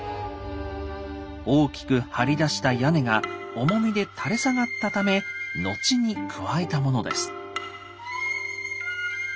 大きく張り出した屋根が重みで垂れ下がったため後に加えたものです。